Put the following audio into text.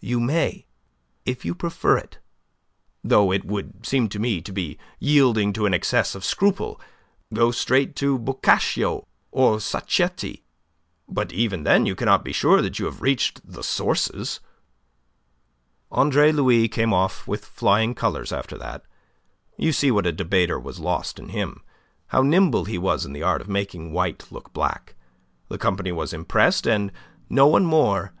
You may, if you prefer it though it would seem to me to be yielding to an excess of scruple go straight to Boccaccio or Sacchetti. But even then you cannot be sure that you have reached the sources." Andre Louis came off with flying colours after that. You see what a debater was lost in him; how nimble he was in the art of making white look black. The company was impressed, and no one more that M.